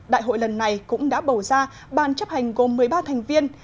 đại hội lần này cũng đã bầu ra ban chấp hành gồm một mươi ba thành viên